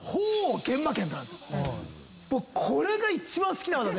これが一番好きな技で。